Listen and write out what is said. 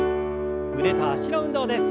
腕と脚の運動です。